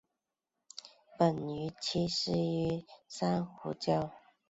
本鱼栖息于珊瑚礁。